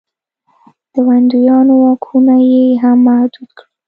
د ویاندویانو واکونه یې هم محدود کړل.